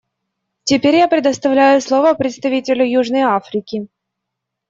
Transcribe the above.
Теперь я предоставляю слово представителю Южной Африки.